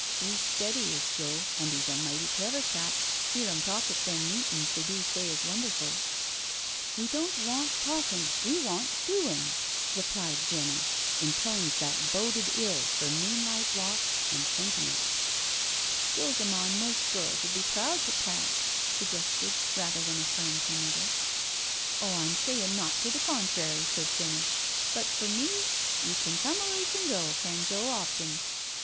" •E*s steady, is Joe, and 'e's a mighty clever chap— *ear 'im talk at them meetin's they do say is wonderful,'* " We don't want talkin*, we want doin'/' replied Jenny, in tones that boded ill for moonlight walks ftiid setttimeftt, 62 NO SURRENDER " Joe's a mon most girls 'ud be proud to tak'/^ suggested, rather than affirmed, her mother. Oh, Tm sayin* naught to the contrary/' said Jenny, but for me 'e can come or 'e can go, can Joe •Opton."